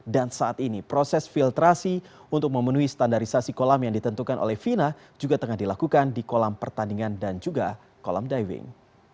dan saat ini proses filtrasi untuk memenuhi standarisasi kolam yang ditentukan oleh vina juga tengah dilakukan di kolam pertandingan dan juga kolam diving